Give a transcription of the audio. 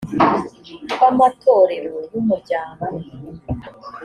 kw amatorero y umuryango